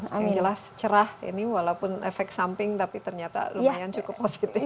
yang jelas cerah ini walaupun efek samping tapi ternyata lumayan cukup positif